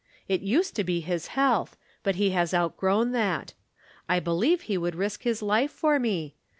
It used to be his health ; but he has outgrown that. I believe he would risk his life for me.